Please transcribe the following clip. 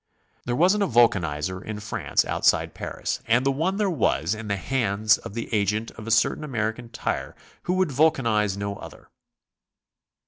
There wasn't a vulcanizer in France outside Paris, and the one there was in the hands of 96 GOING ABROAD? the agent of a certain American tire who would vulcanize no other.